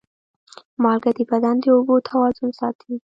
مالګه د بدن د اوبو توازن ساتي.